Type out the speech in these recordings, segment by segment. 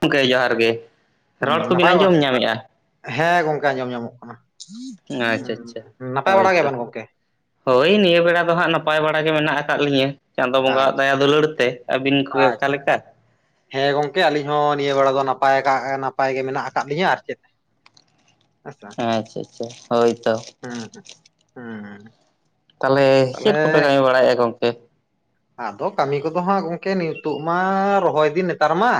[inaudible] ᱡᱚᱸᱦᱟᱨ ᱜᱮ᱾ ᱦᱩᱸ ᱨᱚᱲ ᱠᱚᱵᱤᱱ ᱱᱟᱯᱟᱭ ᱜᱚ, ᱟᱸᱡᱚᱢ ᱧᱟᱢᱮᱜᱼᱟ ᱦᱮᱸ ᱜᱚᱝᱠᱮ ᱟᱸᱡᱚᱢ ᱧᱟᱢᱚᱜ ᱠᱟᱱᱟ᱾ ᱟᱪᱪᱷᱟ ᱟᱪᱪᱷᱟ ᱱᱟᱯᱟᱭ ᱵᱟᱲᱟ ᱜᱮᱭᱟ ᱦᱳᱭᱛᱚ ᱵᱮᱱ ᱜᱚᱝᱠᱮ? ᱦᱳᱭ ᱱᱤᱭᱟᱹ ᱵᱮᱲᱟ ᱫᱚ ᱦᱟᱸᱜ ᱱᱟᱯᱟᱭ ᱵᱟᱲᱟ ᱜᱮ ᱢᱮᱱᱟᱜ ᱠᱟᱜ ᱞᱤᱧᱟᱹ᱾ ᱪᱟᱸᱫᱚ ᱵᱚᱸᱜᱟᱣᱟᱜ ᱟᱪᱪᱷᱟ ᱫᱟᱭᱟ ᱫᱩᱞᱟᱹᱲ ᱛᱮ ᱟᱹᱵᱤᱱ ᱠᱚᱜᱮ ᱟᱪ ᱚᱠᱟᱞᱮᱠᱟ? ᱦᱮᱸ ᱜᱚᱝᱠᱮ ᱟᱹᱞᱤᱧ ᱦᱚᱸ ᱱᱤᱭᱟᱹ ᱵᱮᱲᱟ ᱫᱚ ᱱᱟᱯᱟᱭ ᱠᱟᱜ ᱱᱟᱯᱟᱭ ᱜᱮ ᱢᱮᱱᱟᱜ ᱟᱠᱟᱜ ᱞᱤᱧᱟᱹ ᱟᱨ ᱪᱮᱫ᱾ [inaudible] ᱟᱪᱪᱷᱟ ᱟᱪᱪᱷᱟ ᱦᱳᱭ ᱛᱚ᱾ ᱦᱩᱸ ᱦᱩᱸ, ᱦᱩᱸ᱾ ᱛᱟᱦᱚᱞᱮ ᱛᱟᱦᱞᱮ ᱪᱮᱫ ᱠᱚᱯᱮ ᱠᱟᱹᱢᱤ ᱵᱟᱲᱟᱭᱮᱜᱼᱟ ᱜᱚᱝᱠᱮ? ᱟᱫᱚ ᱠᱟᱹᱢᱤ ᱠᱚᱫᱚ ᱦᱟᱸᱜ ᱜᱚᱝᱠᱮ ᱱᱤᱛᱳᱜ ᱢᱟ ᱨᱚᱦᱚᱭ ᱫᱤᱱ ᱱᱮᱛᱟᱨ ᱢᱟ᱾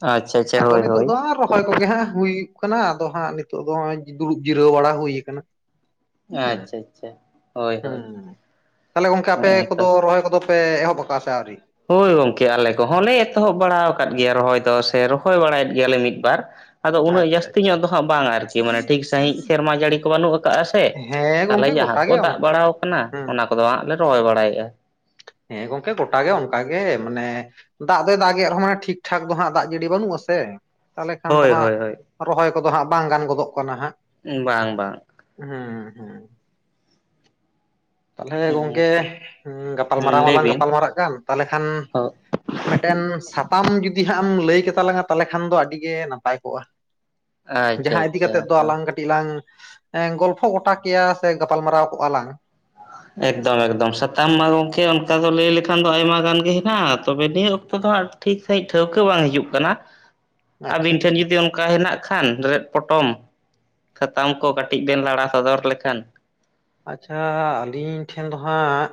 ᱟᱪᱪᱷᱟ ᱟᱪᱪᱷᱟ ᱟᱫᱚ ᱦᱳᱭ ᱱᱤᱛᱳᱜ ᱦᱳᱭ ᱫᱚ ᱦᱟᱸᱜ ᱨᱚ ᱦᱚᱭ ᱠᱚᱜᱮ ᱦᱟᱸᱜ ᱦᱩᱭᱩᱜ ᱠᱟᱱᱟ ᱟᱫᱚ ᱦᱟᱸᱜ ᱱᱤᱛᱚᱜ ᱫᱚ ᱦᱚᱸᱜᱼᱚᱭ ᱫᱩᱲᱩᱵ ᱡᱤᱨᱟᱹᱣ ᱵᱟᱲᱟ ᱦᱩᱭ ᱠᱟᱱᱟ᱾ ᱦᱩᱸ, ᱟᱪᱪᱷᱟ ᱟᱪᱪᱷᱟ ᱦᱳᱭ ᱦᱳᱭ ᱦᱩᱸ, ᱛᱟᱦᱚᱞᱮ ᱜᱚᱝᱠᱮ ᱟᱯᱮ ᱦᱮᱸ ᱛᱚ ᱠᱚᱫᱚ ᱨᱚᱦᱚᱭ ᱠᱚᱫᱚ ᱯᱮ ᱮᱦᱚᱵᱽ ᱠᱟᱜ-ᱟ ᱥᱮ ᱟᱹᱣᱨᱤ? ᱦᱳᱭ ᱜᱚᱝᱠᱮ ᱟᱞᱮ ᱠᱚᱦᱚᱸ ᱞᱮ ᱮᱛᱚᱦᱚᱸᱵᱽ ᱵᱟᱲᱟ ᱠᱟᱫ ᱜᱮᱭᱟ ᱨᱚᱦᱚᱭ ᱫᱚ, ᱥᱮ ᱨᱚᱦᱚᱭ ᱵᱟᱲᱟᱭᱮᱫ ᱜᱮᱭᱟᱞᱮ ᱢᱤᱫ ᱵᱟᱨ᱾ ᱟᱫᱚ ᱩᱱᱟᱹᱜ ᱟᱪᱪᱷᱟ ᱡᱟᱹᱥᱛᱤ ᱟᱪᱪᱷᱟ ᱧᱚᱜ ᱫᱚ ᱦᱟᱸᱜ ᱵᱟᱝ ᱟᱹᱨᱠᱤ ᱢᱟᱱᱮ ᱴᱷᱤᱠ ᱥᱟᱺᱦᱤᱡ ᱥᱮᱨᱢᱟ ᱡᱟᱹᱲᱤ ᱠᱚ ᱵᱟᱹᱱᱩᱜ ᱠᱟᱜ-ᱟ ᱥᱮ᱾ ᱦᱮᱸ ᱛᱟᱦᱚᱸᱞᱮ ᱜᱚᱝᱠᱮ ᱜᱚᱴᱟ ᱡᱟᱦᱟᱸ ᱜᱮ ᱠᱚ ᱫᱟᱜ ᱚᱱᱠᱟ ᱵᱟᱲᱟᱣ ᱠᱟᱱᱟ ᱦᱩᱸ ᱚᱱᱟ ᱠᱚᱫᱚ ᱦᱟᱸᱜ ᱞᱮ ᱨᱚᱦᱚᱭ ᱵᱟᱲᱟᱭᱮ-ᱟ᱾ ᱦᱮᱸ ᱜᱚᱝᱠᱮ ᱜᱚᱴᱟ ᱜᱮ ᱚᱱᱠᱟᱜ ᱜᱮ ᱢᱟᱱᱮ ᱫᱟᱜ ᱫᱚᱭ ᱫᱟᱜᱮᱫ ᱨᱮᱦᱚᱸ ᱢᱟᱱᱮ ᱴᱷᱤᱠ ᱴᱷᱟᱠ ᱫᱚ ᱦᱟᱸᱜ ᱫᱟᱜ ᱡᱟᱹᱲᱤ ᱵᱟᱹᱱᱩᱜ-ᱟ ᱥᱮ᱾ ᱛᱟᱦᱚᱸᱞᱮ ᱠᱷᱟᱱ ᱫᱚ ᱦᱳᱭ ᱦᱟᱸᱜ, ᱦᱳᱭ ᱦᱳᱭ ᱨᱚᱦᱚᱭ ᱠᱚᱫᱚ ᱦᱟᱸᱜ ᱵᱟᱝ ᱜᱟᱱ ᱜᱚᱫᱚᱜ ᱠᱟᱱᱟ ᱦᱟᱸᱜ᱾ ᱩ ᱵᱟᱝ ᱵᱟᱝ᱾ ᱦᱩᱸ ᱦᱩᱸ᱾ ᱛᱟᱦᱚᱸᱞᱮ ᱦᱮᱸ ᱜᱚᱝᱠᱮ ᱛᱚ ᱜᱟᱯᱟᱞ ᱦᱩᱸ ᱢᱟᱨᱟᱣ ᱞᱟᱹᱭ ᱢᱟᱞᱟᱝ ᱵᱤᱱ ᱜᱟᱯᱟᱞ ᱢᱟᱨᱟᱜ ᱠᱟᱱ ᱛᱟᱦᱚᱸᱞᱮ ᱠᱷᱟᱱ ᱦᱳ ᱢᱤᱫᱴᱮᱱ ᱥᱟᱛᱟᱢ ᱡᱩᱫᱤ ᱦᱟᱸᱜ ᱮᱢ ᱞᱟᱹᱭ ᱠᱮᱛᱟ ᱞᱟᱝᱟ ᱛᱟᱦᱚᱸᱞᱮ ᱠᱷᱟᱱ ᱫᱚ ᱟᱹᱰᱤ ᱜᱮ ᱱᱟᱯᱟᱭ ᱠᱚᱜ-ᱟ᱾ ᱟᱪᱪᱷᱟ ᱡᱟᱦᱟᱸ ᱤᱫᱤ ᱠᱟᱛᱮ ᱟᱪᱪᱷᱟ ᱫᱚ ᱦᱳᱭ᱾ ᱟᱞᱟᱝ ᱠᱟᱹᱴᱤᱡ ᱞᱟᱝ ᱮ ᱜᱚᱞᱯᱷᱚ ᱜᱚᱴᱟ ᱠᱮᱭᱟ ᱥᱮ ᱜᱟᱯᱟᱞ ᱢᱟᱨᱟᱣ ᱠᱚᱜ-ᱟ ᱞᱟᱝ᱾ [inaudible] ᱮᱠᱫᱚᱢ ᱮᱠᱫᱚᱢ ᱥᱟᱛᱟᱢ ᱢᱟ ᱜᱚᱝᱠᱮ ᱚᱱᱠᱟ ᱫᱚ ᱞᱟᱹᱭ ᱞᱮᱠᱷᱟᱱ ᱫᱚ ᱟᱭᱢᱟ ᱜᱟᱱ ᱜᱤ ᱦᱮᱱᱟᱜ-ᱟ ᱛᱚᱵᱮ ᱱᱤᱭᱟᱹ ᱚᱠᱛᱚ ᱫᱚ ᱦᱟᱸᱜ ᱴᱷᱤᱠ ᱥᱟᱹᱦᱤᱡᱽ ᱴᱷᱟᱹᱣᱠᱟᱹ ᱵᱟᱝ ᱦᱤᱡᱩᱜ ᱠᱟᱱᱟ᱾ ᱟᱪᱪᱷᱟ ᱟᱹᱵᱤᱱ ᱴᱷᱮᱱ ᱟᱪᱪᱷᱟ ᱡᱩᱫᱤ ᱚᱱᱠᱟ ᱦᱮᱸᱱᱟᱜ ᱠᱷᱟᱱ ᱨᱮᱫ ᱯᱚᱴᱚᱢ? ᱥᱟᱛᱟᱢ ᱠᱚ ᱠᱟᱹᱴᱤᱡ ᱵᱮᱱ ᱞᱟᱲᱟ ᱥᱚᱫᱚᱨ ᱞᱮᱠᱷᱟᱱ ᱟᱪᱪᱷᱟ ᱟᱹᱞᱤᱧ ᱴᱷᱮᱱ ᱫᱚ ᱦᱟᱸᱜ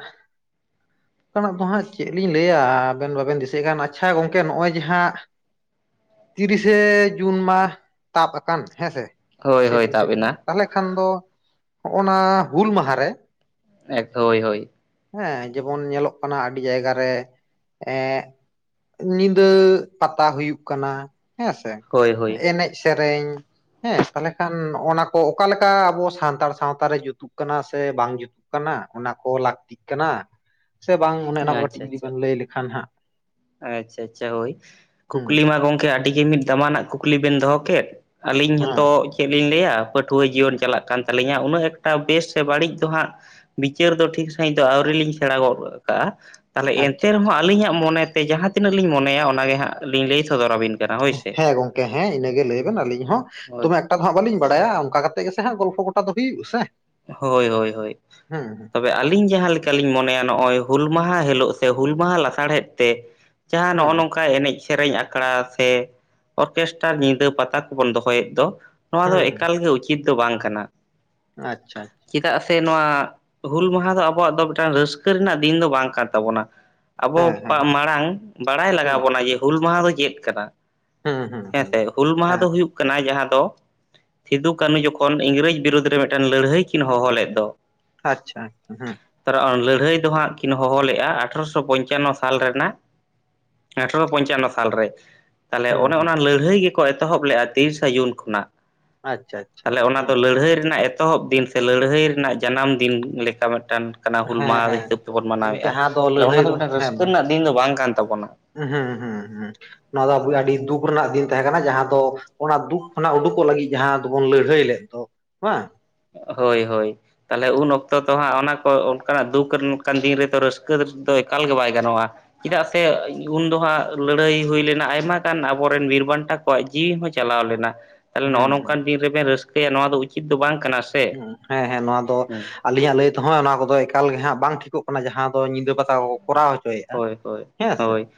ᱚᱱᱠᱟᱱᱟᱜ ᱫᱚ ᱦᱟᱸᱜ ᱪᱮᱫ ᱞᱤᱧ ᱞᱟᱹᱭᱟ, ᱟᱵᱮᱱ ᱵᱟᱵᱮᱱ ᱫᱤᱥᱟᱹᱭᱮᱫ ᱠᱷᱟᱱ ᱟᱪᱪᱷᱟ ᱜᱚᱝᱠᱮ ᱱᱚᱜ-ᱚᱭ ᱡᱮ ᱦᱟᱸᱜ᱾ ᱛᱤᱨᱤᱥᱮ ᱡᱩᱱ ᱢᱟ ᱛᱟᱵᱽ ᱟᱠᱟᱱ ᱦᱮᱸᱥᱮ᱾ ᱦᱳᱭ ᱦᱳᱭ ᱥᱮᱫᱤᱱ ᱛᱟᱵ ᱥᱮᱫᱤᱱ ᱮᱱᱟ ᱛᱟᱦᱚᱸᱞᱮ ᱠᱷᱟᱱ ᱫᱚ ᱦᱚᱜ-ᱱᱟ ᱦᱩᱞ ᱢᱟᱦᱟᱨᱮ ᱮᱠ ᱛᱚ ᱦᱳᱭ ᱦᱳᱭ᱾ ᱦᱮᱸ ᱡᱮᱢᱚᱱ ᱧᱮᱞᱚᱜ ᱠᱟᱱᱟ ᱟᱹᱰᱤ ᱡᱟᱭᱜᱟ ᱨᱮ ᱮᱻ᱾ ᱧᱤᱫᱟᱹ ᱯᱟᱛᱟ ᱦᱩᱭᱩᱜ ᱠᱟᱱᱟ, ᱦᱮᱸᱥᱮ ᱦᱳᱭ ᱦᱳᱭ ᱮᱱᱮᱡ ᱥᱮᱨᱮᱸᱧ ᱦᱮᱸ ᱛᱟᱦᱚᱸᱞᱮ ᱠᱷᱟᱱ ᱱᱚᱜ-ᱚ ᱱᱟ ᱠᱚ ᱚᱠᱟᱞᱮᱠᱟ ᱟᱵᱚ ᱥᱟᱱᱛᱟᱲ ᱥᱟᱶᱛᱟ ᱨᱮ ᱡᱩᱛᱩᱜ ᱠᱟᱱᱟ ᱥᱮ ᱵᱟᱝ ᱡᱩᱛᱩᱜ ᱠᱟᱱᱟ ᱚᱱᱟ ᱠᱚ ᱞᱟᱹᱠᱛᱤᱜ ᱠᱟᱱᱟ᱾ ᱥᱮ ᱵᱟᱝ ᱚᱱᱮ ᱚᱱᱟ ᱠᱚ ᱠᱟᱹᱴᱤᱡᱽ ᱟᱪᱪᱷᱟ ᱡᱩᱫᱤ ᱟᱪᱪᱷᱟ ᱵᱮᱱ ᱞᱟᱹᱭ ᱞᱮᱠᱷᱟᱱ ᱦᱟᱸᱜ᱾ ᱟᱪᱪᱷᱟ ᱟᱪᱪᱷᱟ ᱦᱳᱭ, ᱦᱩᱸ ᱠᱩᱠᱞᱤ ᱢᱟ ᱜᱚᱝᱠᱮ ᱟᱹᱰᱤ ᱜᱮ ᱢᱤᱫ ᱫᱟᱢᱟᱱᱟᱜ ᱠᱩᱠᱞᱤ ᱵᱮᱱ ᱫᱚᱦᱚ ᱠᱮᱫ᱾ ᱟᱹᱞᱤᱧ ᱦᱤᱛᱜ ᱦᱮᱸ ᱪᱮᱫ ᱞᱤᱧ ᱞᱟᱹᱭᱟ ᱯᱟᱹᱴᱷᱩᱣᱟᱹ ᱡᱤᱭᱚᱱ ᱪᱟᱞᱟᱜ ᱠᱟᱱ ᱛᱟᱹᱞᱤᱧᱟ ᱩᱱᱟᱹᱜ ᱮᱠᱴᱟ ᱵᱮᱥ ᱥᱮ ᱵᱟᱹᱲᱤᱡ ᱫᱚ ᱦᱟᱸᱜ ᱵᱤᱪᱟᱹᱨ ᱫᱚ ᱴᱷᱤᱠ ᱥᱟᱹᱦᱤᱡᱽ ᱫᱚ ᱟᱹᱣᱨᱤ ᱞᱤᱧ ᱥᱮᱬᱟ ᱜᱚᱫ ᱠᱟᱜ-ᱟ᱾ ᱛᱟᱦᱚᱸᱞᱮ ᱮᱱᱛᱮ ᱟᱪᱪᱷᱟ ᱨᱮᱦᱚᱸ ᱟᱹᱞᱤᱧᱟᱜ ᱢᱚᱱᱮᱛᱮ ᱡᱟᱦᱟᱸ ᱛᱤᱱᱟᱹᱜ ᱞᱤᱧ ᱢᱚᱱᱮᱭᱟ ᱚᱱᱟᱜᱮ ᱦᱟᱸᱜ ᱞᱤᱧ ᱞᱟᱹᱭ ᱥᱚᱫᱚᱨᱟᱵᱤᱱ ᱦᱮᱸ ᱜᱚᱝᱠᱮ ᱦᱮᱸ ᱤᱱᱟᱹᱜᱮ ᱞᱟᱹᱭ ᱵᱮᱱ ᱟᱹᱞᱤᱧ ᱦᱚᱸ ᱦᱳᱭ ᱫᱚᱢᱮ ᱴᱟ ᱫᱚ ᱦᱟᱸᱜ ᱵᱟᱹᱞᱤᱧ ᱵᱟᱲᱟᱭᱟ ᱚᱱᱠᱟ ᱠᱟᱛᱮ ᱜᱮᱥᱮ ᱦᱟᱸᱜ ᱜᱚᱯᱷᱚ ᱜᱚᱴᱟ ᱫᱚ ᱦᱩᱭᱩᱜ ᱥᱮ᱾ ᱦᱳᱭ ᱦᱳᱭ ᱦᱳᱭ ᱦᱩᱸ [inaudible] ᱛᱚᱵᱮ ᱟᱹᱞᱤᱧ ᱡᱟᱦᱟᱸ ᱞᱮᱠᱟᱞᱤᱧ ᱢᱚᱱᱮᱭᱟ ᱱᱚᱜ-ᱚᱭ ᱦᱩᱞ ᱢᱟᱦᱟ ᱦᱤᱞᱳᱜ ᱥᱮ ᱦᱩᱞ ᱢᱟᱦᱟ ᱞᱟᱥᱟᱲᱦᱮᱸᱫ ᱛᱮ᱾ ᱡᱟᱦᱟᱸ ᱱᱚᱜ-ᱚ ᱦᱩᱸ ᱱᱚᱝᱠᱟ ᱮᱱᱮᱡ ᱥᱮᱨᱮᱧ ᱟᱠᱷᱚᱲᱟ ᱥᱮ ᱚᱨᱠᱮᱥᱴᱟᱨ ᱧᱤᱫᱟᱹ ᱯᱟᱛᱟ ᱠᱚᱵᱚᱱ ᱫᱚᱦᱚᱭᱮᱫ ᱫᱚ᱾ ᱱᱚᱣᱟ ᱫᱚ ᱦᱩᱸ ᱦᱩᱸ ᱮᱠᱟᱞ ᱜᱮ ᱩᱪᱤᱛ ᱫᱚ ᱵᱟᱝ ᱠᱟᱱᱟ᱾ ᱟᱪᱪᱷᱟ, ᱪᱮᱫᱟᱜ ᱥᱮ ᱱᱚᱣᱟ, ᱦᱩᱞ ᱢᱟᱦᱟ ᱫᱚ ᱟᱵᱚᱣᱟᱜ ᱫᱚ ᱢᱤᱫᱴᱟᱝ ᱨᱟᱹᱥᱠᱟᱹ ᱨᱮᱱᱟᱜ ᱫᱤᱱ ᱫᱚ ᱵᱟᱝ ᱠᱟᱱ ᱛᱟᱵᱚ ᱱᱟ᱾ ᱟᱵᱚ ᱦᱮᱸ ᱯᱟ ᱦᱮᱸ ᱢᱟᱲᱟᱝ ᱵᱟᱲᱟᱭ ᱞᱟᱜᱟᱣ ᱦᱩᱸ ᱵᱚᱱᱟ ᱡᱮ ᱦᱩᱞ ᱢᱟᱦᱟ ᱫᱚ ᱪᱮᱫ ᱠᱟᱱᱟ? ᱦᱩᱸ ᱦᱩᱸ ᱦᱮᱸ ᱦᱩᱸ ᱥᱮ ᱦᱩᱞ ᱢᱟᱦᱟ ᱫᱚ ᱦᱮᱸ ᱦᱩᱭᱩᱜ ᱠᱟᱱᱟ ᱡᱟᱦᱟᱸ ᱫᱚ ᱥᱤᱫᱩ ᱠᱟᱹᱱᱩ ᱡᱚᱠᱷᱚᱱ ᱤᱝᱨᱮᱡᱽ ᱵᱤᱨᱩᱫᱽ ᱨᱮ ᱴᱮᱱ ᱞᱟᱹᱲᱦᱟᱹᱭ ᱠᱤᱱ ᱦᱚᱦᱚ ᱞᱮᱫ ᱫᱚ᱾ ᱟᱪᱪᱷᱟ ᱦᱩᱸ ᱦᱩᱸ᱾ ᱛᱚᱨᱚ ᱚᱱ ᱞᱟᱹᱲᱦᱟᱹᱭ ᱫᱚ ᱦᱟᱸᱜ ᱠᱤᱱ ᱦᱚᱦᱚ ᱞᱮᱜ-ᱟ ᱟᱴᱷᱨᱚᱥᱚ ᱯᱚᱧᱪᱟᱱᱱᱚ ᱥᱟᱞ ᱨᱮᱱᱟᱜ ᱟᱴᱷᱨᱚ ᱯᱚᱧᱪᱟᱱᱱᱚ ᱥᱟᱞᱨᱮ ᱛᱟᱞᱦᱮ ᱦᱩᱸ ᱚᱱᱮ ᱦᱩᱸ ᱚᱱᱟ ᱞᱟᱹᱲᱦᱟᱹᱭ ᱜᱮᱠᱚ ᱮᱛᱚᱦᱚᱵ ᱞᱮᱜ-ᱟ ᱛᱤᱨᱤᱥᱟ ᱡᱩᱱ ᱠᱷᱚᱱᱟᱜ᱾ ᱟᱪᱪᱷᱟ ᱟᱪᱪᱷᱟ ᱛᱟᱞᱦᱮ ᱚᱱᱟ ᱦᱩᱸ ᱫᱚ ᱞᱟᱹᱲᱦᱟᱹᱭ ᱨᱮᱱᱟᱜ ᱮ ᱮᱛᱚᱦᱚᱵ ᱫᱤᱱ ᱥᱮ ᱞᱟᱹᱲᱦᱟᱹᱭ ᱨᱮᱱᱟᱜ ᱡᱟᱱᱟᱢ ᱫᱤᱱ ᱞᱮᱠᱟ ᱢᱤᱫᱴᱮᱱ ᱠᱟᱱᱟ ᱦᱩᱞ ᱢᱟᱦᱟ ᱦᱮᱸ ᱦᱤᱥᱟᱹᱯ ᱛᱮᱵᱚᱱ ᱦᱮᱸ ᱢᱟᱱᱟᱣᱮᱜ-ᱟ, ᱡᱟᱦᱟᱸ ᱛᱟᱦᱞᱮ ᱞᱟᱹᱲᱦᱟᱹᱭ ᱚᱱᱟ ᱫᱚ ᱢᱤᱫᱴᱟᱝ ᱦᱮᱸ ᱨᱟᱹᱥᱠᱟᱹ ᱢᱟ ᱨᱮᱱᱟᱜ ᱫᱤᱱ ᱫᱚ ᱵᱟᱝ ᱠᱟᱱ ᱛᱟᱵᱚᱱᱟ᱾ ᱦᱩᱸ ᱦᱩᱸ ᱦᱩᱸ ᱦᱩᱸ᱾ ᱱᱚᱣᱟ ᱫᱚ ᱟᱵᱩᱭ ᱟᱰᱤ ᱫᱩᱠᱷ ᱨᱮᱱᱟᱜ ᱫᱤᱱ ᱛᱟᱦᱮᱸ ᱠᱟᱱᱟ ᱡᱟᱦᱟᱸ ᱫᱚ ᱚᱱᱟ ᱫᱩᱠᱷ ᱠᱷᱚᱱᱟᱜ ᱩᱰᱩᱠᱚᱜ ᱞᱟᱜᱤᱡ ᱡᱟᱦᱟᱸ ᱫᱚᱵᱚᱱ ᱞᱟᱹᱲᱦᱟᱹᱭ ᱞᱮᱫ ᱫᱚ᱾ ᱵᱟᱝ᱾ ᱦᱳᱭ ᱦᱳᱭ᱾ ᱛᱟᱞᱦᱮ ᱩᱱ ᱚᱠᱛᱚ ᱫᱚ ᱦᱟᱸᱜ ᱚᱱᱟ ᱠᱚ ᱚᱱᱠᱟᱱᱟᱜ ᱫᱩᱠᱷ ᱨᱮ ᱱᱚᱠᱟᱱ ᱫᱤᱱ ᱨᱮᱫᱚ ᱨᱟᱹᱥᱠᱟᱹ ᱫᱚ ᱮᱠᱟᱞ ᱜᱮ ᱵᱟᱭ ᱜᱟᱱᱚᱜ-ᱟ᱾ ᱪᱮᱫᱟᱜ ᱥᱮ ᱩᱱ ᱫᱚ ᱦᱟᱸᱜ ᱞᱟᱹᱲᱦᱟᱹᱭ ᱦᱩᱭ ᱞᱮᱱᱟ ᱟᱭᱢᱟ ᱜᱟᱱ ᱟᱵᱚᱨᱮᱱ ᱵᱤᱨ ᱵᱟᱱᱴᱟ ᱠᱚᱣᱟᱭᱤᱡ ᱡᱤᱣᱤ ᱦᱚᱸ ᱪᱟᱞᱟᱣ ᱞᱮᱱᱟ᱾ ᱛᱟᱦᱞᱮ ᱱᱚᱜ-ᱚ ᱦᱩᱸ ᱦᱩᱸ ᱱᱚᱝᱠᱟᱱ ᱫᱤᱱ ᱨᱮᱵᱮᱱ ᱨᱟᱹᱥᱠᱟᱹᱭᱟ ᱱᱚᱣᱟ ᱫᱚ ᱩᱪᱤᱫ ᱫᱚ ᱵᱟᱝ ᱠᱟᱱᱟ᱾ ᱥᱮ ᱦᱩᱸ, ᱦᱮᱸ ᱦᱮᱸ ᱱᱚᱣᱟ ᱫᱚ ᱦᱩᱸ ᱟᱞᱤᱧᱟᱜ ᱞᱟᱹᱭ ᱛᱮᱦᱚᱸ ᱚᱱᱟ ᱠᱚᱫᱚ ᱮᱠᱟᱞ ᱜᱮ ᱦᱟᱸᱜ ᱵᱟᱝ ᱴᱷᱤᱠᱚᱜ ᱠᱟᱱᱟ ᱡᱟᱦᱟᱸ ᱫᱚ ᱧᱤᱫᱟᱹ ᱯᱟᱛᱟ ᱠᱚ ᱠᱚᱨᱟᱣ ᱦᱚᱪᱚᱭᱮᱫ᱾ ᱦᱳᱭ ᱦᱳᱭ ᱦᱳᱭ,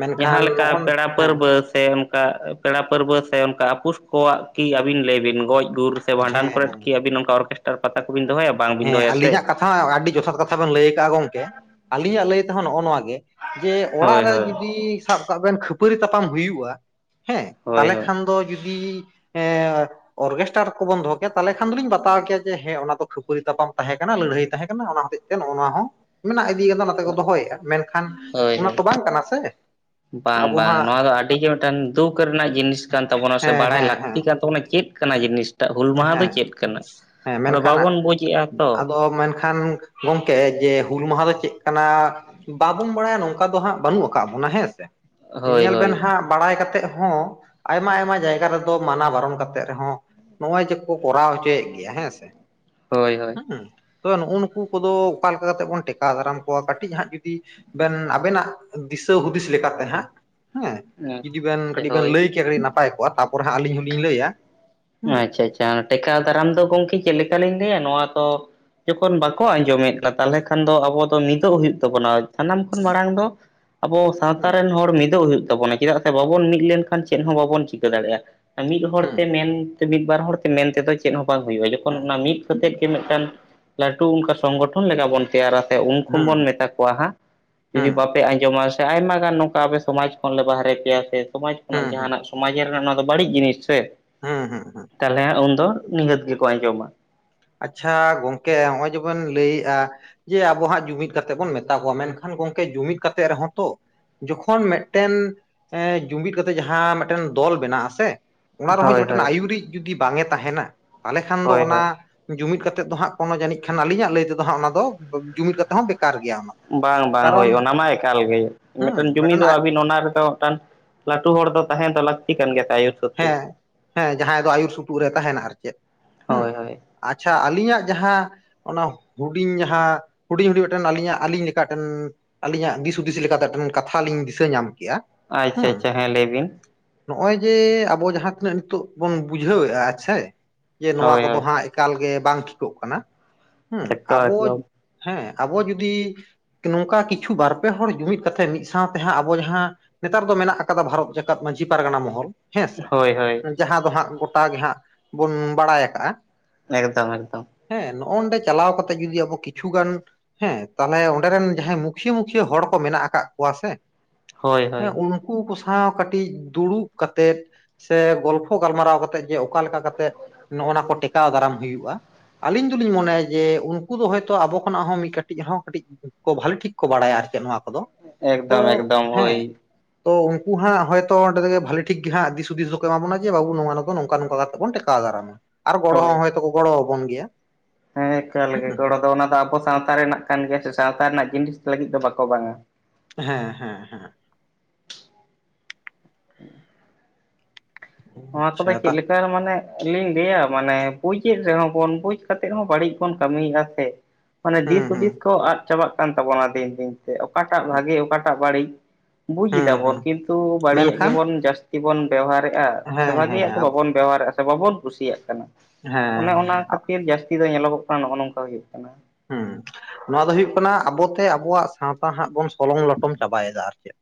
ᱢᱮᱱᱠᱷᱟᱱ ᱡᱟᱦᱟᱸ ᱱᱚᱜᱼᱚ ᱞᱮᱠᱟ ᱯᱮᱲᱟ ᱦᱮᱸ ᱯᱟᱹᱨᱵᱟᱹᱫ ᱥᱮ ᱚᱱᱠᱟ ᱯᱮᱲᱟ ᱯᱟᱹᱨᱵᱟᱹᱫ ᱥᱮ ᱚᱱᱠᱟ ᱟᱯᱩᱥ ᱠᱚᱣᱟᱜ ᱠᱤ ᱟᱹᱵᱤᱱ ᱞᱟᱹᱭ ᱵᱤᱱ ᱜᱚᱡ ᱜᱩᱨ᱾ ᱥᱮ ᱦᱮᱸ ᱵᱷᱟᱸᱰᱟᱱ ᱦᱮᱸ ᱠᱚᱨᱮᱫ ᱠᱤ ᱟᱹᱵᱤᱱ ᱱᱚᱝᱠᱟ ᱚᱨᱠᱮᱥᱴᱟᱨ ᱯᱟᱛᱟ ᱠᱚᱵᱤᱱ ᱫᱚᱦᱚᱭᱟ? ᱵᱟᱝᱵᱤᱱ ᱦᱮᱸ ᱫᱚᱦᱚᱭᱟ ᱥᱮ ᱟᱹᱞᱤᱧᱟᱜ ᱠᱟᱛᱷᱟ ᱦᱚᱸ ᱟᱹᱰᱤ ᱡᱚᱛᱷᱟᱛ ᱠᱟᱛᱷᱟ ᱛᱷᱟ ᱵᱮᱱ ᱞᱟᱹᱭ ᱠᱟᱜ-ᱟ ᱜᱚᱝᱠᱮ᱾ ᱟᱞᱤᱧᱟᱜ ᱞᱟᱹᱭ ᱛᱮᱦᱚᱸ ᱱᱚᱜ-ᱚ ᱱᱚᱣᱟ ᱜᱮ ᱡᱮ ᱚᱲᱟᱜ ᱦᱳᱭ ᱨᱮ ᱦᱳᱭ ᱡᱩᱫᱤ ᱥᱟᱵ ᱠᱟᱜ ᱵᱮᱱ ᱠᱷᱟᱹᱯᱟᱹᱨᱤ ᱛᱟᱯᱟᱢ ᱦᱩᱭᱩᱜ-ᱟ ᱦᱮᱸ, ᱦᱳᱭ ᱛᱟᱦᱞᱮ ᱦᱳᱭ ᱠᱷᱟᱱ ᱫᱚ ᱡᱩᱫᱤ ᱮᱸ ᱚᱨᱜᱮᱥᱴᱟᱨ ᱠᱚᱵᱚᱱ ᱫᱚᱦᱚ ᱠᱮᱭᱟ ᱛᱟᱦᱞᱮ ᱠᱷᱟᱱ ᱫᱩᱞᱤᱧ ᱵᱟᱛᱟᱣ ᱠᱮᱭᱟ ᱡᱮ ᱦᱮᱸ ᱚᱱᱟ ᱫᱚ ᱠᱷᱟᱹᱯ ᱯᱟᱹᱨᱤ ᱛᱟᱯᱟᱢ ᱛᱟᱦᱮᱸ ᱠᱟᱱᱟ, ᱞᱟᱹᱲᱦᱟᱹᱭ ᱛᱟᱦᱮᱸ ᱠᱟᱱᱟ ᱚᱱᱟ ᱦᱚᱛᱮᱡ ᱛᱮ ᱱᱚᱜ-ᱚ ᱱᱚᱣᱟ ᱦᱚᱸ ᱢᱮᱱᱟᱜ ᱤᱫᱤᱭ ᱠᱟᱫᱟ ᱚᱱᱟᱫᱚ ᱛᱮ ᱠᱚ ᱫᱚᱦᱚᱭᱮᱜ-ᱟ᱾ ᱢᱮᱱᱠᱷᱟᱱ ᱦᱳᱭ ᱚᱱᱟ ᱦᱳᱭ ᱛᱚ ᱵᱟᱝ ᱠᱟᱱᱟ ᱥᱮ᱾ ᱵᱟᱝ ᱟᱵᱚ ᱵᱟᱝ ᱦᱟᱸᱜ ᱱᱚᱣᱟ ᱫᱚ ᱟᱰᱤ ᱜᱮ ᱢᱤᱫᱴᱟᱝ ᱫᱩᱠᱷ ᱨᱮᱱᱟᱜ ᱡᱤᱱᱤᱥ ᱠᱟᱱ ᱛᱟᱵᱚᱱᱟ ᱥᱮ ᱦᱮᱸ ᱵᱟᱲᱟᱭ ᱦᱮᱸ ᱦᱮᱸ ᱞᱟᱠᱛᱤ ᱠᱟᱱ ᱛᱟᱵᱚᱱᱟ ᱪᱮᱫ ᱠᱟᱱᱟ ᱡᱤᱱᱤᱥᱴᱟᱜ ᱦᱩᱞ ᱢᱟᱦᱟ ᱫᱚ ᱦᱮᱸ ᱪᱮᱫ ᱠᱟᱱᱟ᱾ ᱟᱫᱚ ᱵᱟᱵᱚᱱ ᱵᱩᱡᱮ-ᱟ ᱛᱚ᱾ ᱚ ᱢᱮᱱᱠᱷᱟᱱ ᱜᱚᱝᱠᱮ ᱡᱮ ᱦᱩᱞ ᱢᱟᱦᱟ ᱫᱚ ᱪᱮᱫ ᱠᱟᱱᱟ᱾ ᱵᱟᱵᱚᱱ ᱵᱟᱲᱟᱭᱟ ᱱᱚᱝᱠᱟ ᱫᱚ ᱦᱟᱸᱜ ᱵᱟᱹᱱᱩᱜ ᱟᱠᱟᱜ ᱵᱚᱱᱟ ᱦᱮᱸ ᱥᱮ᱾ ᱦᱳᱭ ᱧᱮᱞ ᱦᱳᱭ ᱵᱮᱱ ᱦᱟᱸᱜ ᱵᱟᱲᱟᱭ ᱠᱟᱛᱮᱜ ᱦᱚᱸ ᱟᱭᱢᱟ ᱟᱭᱢᱟ ᱡᱟᱭᱜᱟ ᱨᱮᱫᱚ ᱢᱟᱱᱟ ᱵᱟᱨᱚᱱ ᱠᱟᱛᱮᱜ ᱨᱮᱦᱚᱸ ᱱᱚᱜ-ᱚᱭ ᱡᱮᱠᱚ ᱠᱚᱨᱟᱣ ᱦᱚᱪᱚᱭᱮᱜ ᱜᱮᱭᱟ ᱦᱮᱸ ᱥᱮ᱾ ᱦᱳᱭ ᱦᱳᱭ᱾ ᱦᱮᱸ᱾ ᱛᱚᱵᱮ ᱱᱩᱜ-ᱩ ᱱᱩᱠᱩ ᱠᱚᱫᱚ ᱚᱠᱟ ᱞᱮᱠᱟ ᱠᱟᱛᱮᱜ ᱵᱚᱱ ᱴᱮᱠᱟᱣ ᱫᱟᱨᱟᱢ ᱠᱚᱣᱟ ᱠᱟᱴᱤᱡ ᱦᱟᱸᱜ ᱡᱩᱫᱤ ᱵᱮᱱ ᱟᱵᱮᱱᱟᱜ ᱫᱤᱥᱟᱹ ᱦᱩᱫᱤᱥ ᱞᱮᱠᱟᱛᱮ ᱦᱟᱸᱜ ᱦᱮᱸ᱾ ᱡᱩᱫᱤ ᱟᱪᱪᱷᱟ ᱵᱮᱱ ᱟᱪᱪᱷᱟ ᱠᱟᱹᱴᱤᱡ ᱵᱮᱱ ᱦᱳᱭ ᱞᱟᱹᱭ ᱠᱮᱭᱟ ᱠᱟᱹᱴᱤᱡ ᱱᱟᱯᱟᱭ ᱠᱚᱜ-ᱟ, ᱛᱟᱯᱚᱨᱮ ᱦᱟᱸᱜ ᱟᱹᱞᱤᱧ ᱦᱚᱞᱤᱧ ᱞᱟᱹᱭᱟ᱾ ᱦᱩᱸ ᱟᱸᱪᱪᱷᱟ ᱟᱸᱪᱪᱷᱟ ᱴᱮᱠᱟᱣ ᱫᱟᱨᱟᱢ ᱫᱚ ᱜᱚᱝᱠᱮ ᱪᱮᱫ ᱞᱮᱠᱟ ᱞᱤᱧ ᱞᱟᱹᱭᱟ ᱱᱚᱣᱟ ᱫᱚ ᱡᱚᱠᱷᱚᱱ ᱵᱟᱠᱚ ᱟᱸᱡᱚᱢᱮᱫ ᱠᱟ ᱛᱟᱞᱦᱮ ᱠᱷᱟᱱ ᱫᱚ ᱟᱵᱚ ᱫᱚ ᱢᱤᱫᱚᱜ ᱦᱩᱭᱩᱜ ᱛᱟᱵᱚᱱᱟ᱾ ᱥᱟᱱᱟᱢ ᱠᱷᱚᱱ ᱢᱟᱲᱟᱝ ᱫᱚ ᱟᱵᱚ ᱦᱩᱸ ᱥᱟᱶᱛᱟ ᱨᱮᱱ ᱦᱚᱲ ᱢᱤᱫᱚᱜ ᱦᱩᱭᱩᱜ ᱛᱟᱵᱚᱱᱟ᱾ ᱪᱮᱫᱟᱜ ᱥᱮ ᱵᱟᱵᱚᱱ ᱢᱤᱫ ᱞᱮᱱᱠᱷᱟᱱ ᱪᱮᱫ ᱦᱚᱸ ᱵᱟᱵᱚᱱ ᱪᱤᱠᱟᱹ ᱫᱟᱲᱮᱜ-ᱟ᱾ ᱢᱤᱫ ᱦᱚᱲ ᱦᱩᱸ ᱛᱮ ᱢᱮᱱ ᱛᱮ ᱢᱤᱫ ᱵᱟᱨ ᱦᱚᱲ ᱛᱮ ᱢᱮᱱ ᱛᱮᱫᱚ ᱪᱮᱫ ᱦᱚᱸ ᱵᱟᱝ ᱦᱩᱭᱩᱜ-ᱟ᱾ ᱡᱚᱠᱷᱚᱱ ᱦᱮᱸ ᱚᱱᱟ ᱢᱤᱫᱠᱟᱛᱮᱫ ᱜᱮ ᱢᱤᱫᱴᱮᱱ ᱞᱟᱹᱴᱩ ᱚᱱᱠᱟ ᱥᱚᱝᱜᱚᱴᱷᱚᱱ ᱞᱮᱠᱟ ᱵᱚᱱ ᱛᱮᱭᱟᱨᱟ ᱥᱮ ᱩᱱᱠᱷᱩᱱ ᱦᱩᱸ ᱵᱚᱱ ᱢᱮᱛᱟ ᱠᱚᱣᱟ ᱦᱟᱸᱜ᱾ ᱡᱩᱫᱤ ᱦᱩᱸ ᱵᱟᱯᱮ ᱟᱸᱡᱚᱢᱟ ᱥᱮ ᱟᱭᱢᱟ ᱜᱟᱱ ᱱᱚᱝᱠᱟ ᱟᱯᱮ ᱥᱚᱢᱟᱡᱽ ᱠᱷᱚᱱᱞᱮ ᱵᱟᱦᱨᱮ ᱯᱮᱭᱟ ᱥᱮ ᱥᱚᱢᱟᱡᱽ ᱠᱷᱚᱱᱟᱜ ᱦᱩᱸ ᱦᱩᱸ ᱡᱟᱦᱟᱸᱱᱟᱜ ᱥᱚᱢᱟᱡᱽ ᱨᱮᱱᱟᱜ ᱱᱚᱣᱟ ᱫᱚ ᱵᱟᱹᱲᱤᱡ ᱡᱤᱱᱤᱥ ᱥᱮ᱾ ᱦᱩᱸ ᱦᱩᱸ ᱦᱩᱸ᱾ ᱛᱟᱦᱚᱞᱮ ᱩᱱᱫᱚ ᱱᱤᱦᱟᱹᱛ ᱜᱮᱠᱚ ᱟᱸᱡᱚᱢᱟ ᱾ ᱟᱪᱪᱷᱟ ᱜᱚᱝᱠᱮ ᱱᱚᱸᱜᱼᱚᱭ ᱡᱮᱵᱚᱱ ᱞᱟᱹᱭᱮᱜᱼᱟ, ᱡᱮ ᱟᱵᱚ ᱦᱟᱸᱜ ᱡᱩᱢᱤᱫ ᱠᱟᱛᱮᱜ ᱵᱚᱱ ᱢᱮᱛᱟ ᱠᱚᱣᱟ ᱢᱮᱱᱠᱷᱟᱱ ᱜᱚᱢᱠᱮ ᱡᱩᱢᱤᱫ ᱠᱟᱛᱮᱜ ᱨᱮᱦᱚᱸ ᱛᱚ ᱡᱚᱠᱷᱚᱱ ᱢᱤᱫᱴᱮᱱ ᱮ ᱡᱩᱢᱤᱫ ᱠᱟᱛᱮᱜ ᱡᱟᱦᱟᱸ ᱢᱤᱫᱴᱮᱱ ᱫᱚᱞ ᱵᱮᱱᱟᱜ ᱟᱥᱮ ᱚᱱᱟ ᱨᱮᱦᱚᱸ ᱦᱳᱭ ᱢᱤᱫᱴᱮᱱ ᱦᱳᱭ ᱟᱹᱭᱩᱨᱤᱡ ᱡᱩᱫᱤ ᱵᱟᱝᱮ ᱛᱟᱦᱮᱸᱱᱟ ᱛᱟᱦᱚᱞᱮ ᱠᱷᱟᱱ ᱫᱚ ᱦᱳᱭ ᱚᱱᱟ ᱦᱳᱭ ᱡᱩᱢᱤᱫ ᱠᱟᱛᱮᱫ ᱫᱚ ᱦᱟᱸᱜ ᱠᱳᱱᱳ ᱡᱟᱹᱱᱤᱡ ᱠᱷᱟᱱ ᱟᱹᱞᱤᱧᱟᱜ ᱞᱟᱹᱭ ᱛᱮᱫᱚᱜ ᱚᱱᱟ ᱫᱚ ᱡᱩᱢᱤᱫ ᱠᱟᱛᱮᱫ ᱦᱚᱸ ᱵᱮᱠᱟᱨ ᱜᱮᱭᱟ ᱚᱱᱟ᱾ ᱫᱚ ᱵᱟᱝ ᱵᱟᱝ ᱦᱳᱭ ᱠᱟᱨᱚᱱ ᱚᱱᱟ ᱢᱟ ᱮᱠᱟᱞ ᱜᱮ ᱦᱩᱸ ᱢᱤᱫᱴᱟᱱ ᱡᱩᱢᱤᱫ ᱢᱤᱫᱴᱮᱱ ᱫᱚ ᱟᱹᱵᱤᱱ ᱚᱱᱟ ᱨᱮᱫᱚ ᱢᱤᱫᱴᱟᱱ ᱞᱟᱹᱴᱩ ᱦᱚᱲ ᱫᱚ ᱛᱟᱦᱮᱸ ᱫᱚ ᱞᱟᱹᱠᱛᱤ ᱠᱟᱱ ᱜᱮ ᱛᱚ ᱟᱭᱩᱨ ᱦᱮᱸ ᱦᱮᱸ ᱡᱟᱦᱟᱸᱭ ᱫᱚ ᱟᱹᱭᱩᱨ ᱥᱩᱛᱩᱜ ᱨᱮ ᱛᱟᱦᱮᱸᱱᱟ ᱟᱨ ᱪᱮᱫ ᱦᱩᱸ᱾ ᱦᱳᱭ ᱦᱳᱭ ᱟᱪᱪᱷᱟ ᱟᱹᱞᱤᱧᱟᱜ ᱡᱟᱦᱟᱸ ᱚᱱᱟ ᱦᱩᱰᱤᱧ ᱡᱟᱦᱟᱸ ᱦᱩᱰᱤᱧ ᱦᱩᱰᱤᱧ ᱢᱤᱫᱴᱮᱱ ᱟᱹᱞᱤᱧᱟᱜ ᱟᱹᱞᱤᱧ ᱞᱮᱠᱟ ᱴᱮᱱ ᱟᱹᱞᱤᱧᱟᱜ ᱫᱤᱥ ᱦᱩᱫᱤᱥ ᱞᱮᱠᱟᱛᱮ ᱢᱤᱫᱴᱟᱝ ᱠᱟᱛᱷᱟ ᱞᱤᱧ ᱫᱤᱥᱟᱹ ᱧᱟᱢ ᱠᱮᱜᱼᱟ ᱟᱪᱪᱷᱟ ᱟᱪᱪᱷᱟ ᱦᱮᱸ ᱞᱟᱹᱭ ᱵᱤᱱ ᱾ ᱱᱚᱸᱜᱼᱚᱭ ᱡᱮ ᱟᱵᱚ ᱡᱟᱦᱟᱸ ᱛᱤᱱᱟᱹᱜ ᱱᱤᱛᱚᱜ ᱵᱚᱱ ᱵᱩᱡᱷᱟᱹᱣᱮᱜᱼᱟ ᱟᱪᱷᱮ ᱡᱮ ᱱᱚᱣᱟ ᱦᱳᱭ ᱠᱚᱫᱚ ᱦᱳᱭ ᱦᱟᱸᱜ ᱮᱠᱟᱞ ᱜᱮ ᱵᱟᱝ ᱴᱷᱤᱠᱚᱜ ᱠᱟᱱᱟ ᱦᱩᱸ ᱮᱠᱫᱚᱢ ᱟᱵᱚ ᱮᱠᱫᱚᱢ ᱦᱮᱸ ᱟᱵᱚ ᱡᱩᱫᱤ ᱱᱚᱝᱠᱟ ᱠᱤᱪᱷᱩ ᱵᱟᱨ ᱯᱮ ᱦᱚᱲ ᱡᱩᱢᱤᱫ ᱠᱟᱛᱮ ᱢᱤᱫ ᱥᱟᱶᱛᱮ ᱦᱟᱸᱜ ᱟᱵᱚ ᱡᱟᱦᱟᱸ ᱱᱮᱛᱟᱨ ᱫᱚ ᱢᱮᱱᱟᱸᱜ ᱠᱟᱫᱟ ᱵᱷᱟᱨᱚᱛ ᱡᱟᱠᱟᱛ ᱢᱟᱺᱡᱷᱤ ᱯᱟᱨᱜᱟᱱᱟ ᱢᱚᱦᱚᱞ ᱦᱮᱸ ᱥᱮ ᱦᱳᱭ ᱦᱳᱭ ᱡᱟᱦᱟᱸ ᱫᱚ ᱦᱟᱸᱜ ᱜᱚᱴᱟ ᱜᱮ ᱦᱟᱸᱜ ᱵᱚᱱ ᱵᱟᱲᱟᱭ ᱠᱟᱜᱼᱟ, ᱮᱠᱫᱚᱢ ᱮᱠᱫᱚᱢ ᱾ ᱦᱮᱸ ᱱᱚᱸᱜᱼᱚᱭ ᱱᱚᱰᱮ ᱪᱟᱞᱟᱣ ᱠᱟᱛᱮ ᱡᱩᱫᱤ ᱟᱵᱚ ᱠᱤᱪᱷᱩ ᱜᱟᱱ ᱦᱮᱸ ᱛᱟᱦᱚᱞᱮ ᱚᱸᱰᱮᱨᱮ ᱨᱮᱱ ᱡᱟᱦᱟᱸᱭ ᱢᱩᱠᱷᱤᱭᱟᱹ ᱢᱩᱠᱷᱤᱭᱟᱹ ᱦᱚᱲ ᱠᱚ ᱢᱮᱱᱟᱜ ᱠᱟᱜ ᱠᱚᱣᱟ ᱥᱮ ᱦᱳᱭ ᱦᱮᱸ ᱩᱝᱠᱩ ᱠᱚ ᱥᱟᱶ ᱠᱟᱹᱴᱤᱡ ᱫᱩᱲᱩᱵ ᱠᱟᱛᱮᱜ ᱥᱮ ᱜᱚᱞᱯᱷᱚ ᱜᱟᱞᱢᱟᱨᱟᱣ ᱠᱟᱛᱮᱫ ᱡᱮ ᱚᱠᱟ ᱞᱮᱠᱟ ᱠᱟ ᱠᱟᱛᱮᱫ ᱱᱚᱸᱜᱼᱱᱟ ᱠᱚ ᱴᱮᱠᱟᱣ ᱫᱟᱨᱟᱢ ᱦᱩᱭᱩᱜᱼᱟ, ᱟᱹᱞᱤᱧ ᱫᱚᱞᱤᱧ ᱢᱚᱱᱮᱭᱟ ᱡᱮ ᱩᱱᱠᱩ ᱫᱚ ᱦᱳᱭᱛᱳ ᱟᱵᱚ ᱠᱷᱚᱱᱟᱜ ᱦᱚᱸ ᱢᱤᱫ ᱠᱟᱹᱴᱤᱡ ᱨᱮ ᱦᱚᱸ ᱠᱟᱹᱴᱤᱡ ᱠᱚ ᱵᱷᱟᱞᱤ ᱴᱷᱤᱠ ᱠᱚ ᱵᱟᱲᱟᱭᱟ ᱟᱨ ᱪᱮᱫ ᱱᱚᱣᱟ ᱠᱚᱫᱚ ᱛᱚ ᱮᱠᱫᱚᱢ ᱮᱠᱫᱚᱢ ᱦᱮᱸ ᱦᱳᱭ ᱛᱚ ᱩᱱᱠᱩ ᱦᱟᱸᱜ ᱦᱚᱭᱛᱚ ᱚᱸᱰᱮ ᱜᱮ ᱵᱷᱟᱹᱞᱤ ᱴᱷᱤᱠ ᱜᱮ ᱦᱟᱸᱜ ᱫᱤᱥᱩᱫᱤᱥ ᱫᱚᱠᱚ ᱮᱢᱟ ᱵᱚᱱᱟ ᱡᱮ ᱵᱟᱹᱵᱩ ᱱᱚᱣᱟ ᱫᱚ ᱱᱚᱝᱠᱟ ᱱᱚᱝᱠᱟ ᱠᱟᱛᱮ ᱵᱚᱱ ᱴᱮᱠᱟᱣ ᱫᱟᱨᱟᱢᱟ ᱟᱨ ᱜᱚᱲᱚ ᱦᱳᱭ ᱦᱚᱸ ᱦᱚᱭ ᱛᱚᱠᱚ ᱜᱚᱲᱚ ᱟᱵᱚᱱ ᱜᱮᱭᱟ ᱾ ᱦᱮᱸ ᱮᱠᱟᱞᱜᱮ ᱜᱚᱲᱚ ᱫᱚ ᱚᱱᱟ ᱫᱚ ᱟᱵᱚ ᱥᱟᱶᱛᱟ ᱨᱮᱱᱟᱜ ᱠᱟᱱ ᱜᱮᱭᱟ ᱥᱮ ᱥᱟᱶᱛᱟ ᱨᱮᱱᱟᱜ ᱡᱤᱱᱤᱥ ᱞᱟᱹᱜᱤᱫ ᱫᱚ ᱵᱟᱠᱚ ᱵᱟᱝᱟ ᱾ ᱦᱮᱸ ᱦᱮᱸ ᱦᱮᱸ ᱾ ᱱᱚᱣᱟ ᱠᱚᱫᱚ ᱟᱪᱪᱷᱟ ᱛᱟ ᱪᱮᱫ ᱞᱮᱠᱟ ᱨᱮ ᱢᱟᱱᱮ ᱞᱤᱧ ᱞᱟᱹᱭᱟ ᱢᱟᱱᱮ ᱵᱩᱡᱮᱫ ᱨᱮᱦᱚᱸ ᱵᱚᱱ ᱵᱩᱡ ᱠᱟᱛᱮᱫ ᱦᱚᱸ ᱵᱟᱹᱲᱤᱡ ᱵᱚᱱ ᱠᱟᱹᱢᱤᱭᱮᱜᱼᱟ ᱥᱮ? ᱢᱟᱱᱮ ᱦᱩᱸ ᱫᱤᱥ ᱦᱩᱸ ᱦᱩᱫᱤᱥ ᱠᱚ ᱟᱫ ᱪᱟᱵᱟᱜ ᱠᱟᱱ ᱛᱟᱵᱚᱱᱟ ᱫᱤᱱ ᱫᱤᱱᱛᱮ ᱚᱠᱟᱴᱟᱜ ᱵᱷᱟᱜᱮ ᱚᱠᱟᱴᱟᱜ ᱵᱟᱹᱲᱤᱡ ᱵᱩᱡ ᱦᱩᱸ ᱦᱩᱸ ᱮᱫᱟᱵᱚᱱ ᱠᱤᱱᱛᱩ ᱵᱟᱹᱲᱤᱡᱟᱜ ᱢᱮᱱᱠᱷᱟᱱ ᱜᱮᱵᱚᱱ ᱡᱟᱹᱥᱛᱤ ᱵᱚᱱ ᱵᱮᱣᱦᱟᱨᱮᱜᱼᱟ ᱥᱮ ᱦᱮᱸ ᱦᱮᱸ ᱵᱷᱟᱜᱤᱭᱟᱜ ᱫᱚ ᱟᱵ ᱵᱟᱵᱚᱱ ᱵᱮᱣᱦᱟᱨᱮᱜᱼᱟ᱾ ᱥᱮ ᱵᱟᱵᱚᱱ ᱠᱩᱥᱤᱭᱟᱜ ᱠᱟᱱᱟ, ᱚᱱᱮ ᱦᱮᱸ ᱚᱱᱟ ᱟᱵ ᱠᱷᱟᱹᱛᱤᱨ ᱡᱟᱹᱥᱛᱤ ᱫᱚ ᱧᱮᱞᱚᱜᱚᱜ ᱠᱟᱱᱟ ᱱᱚᱸᱜᱼᱚ ᱱᱚᱝᱠᱟ ᱦᱩᱭᱩᱜ ᱠᱟᱱᱟ ᱾ ᱦᱩᱸ ᱱᱚᱣᱟ ᱫᱚ ᱦᱩᱭᱩᱜ ᱠᱟᱱᱟ ᱟᱵᱚᱛᱮ ᱟᱵᱚᱣᱟᱜ ᱥᱟᱶ ᱛᱟ ᱦᱟᱸᱜ ᱵᱚᱱ ᱥᱚᱞᱚᱝ ᱞᱚᱴᱚᱢ ᱪᱟᱵᱟᱭᱫᱟ ᱟᱨ ᱪᱮᱫ